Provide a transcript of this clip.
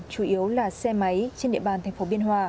chủ yếu là xe máy trên địa bàn thành phố biên hòa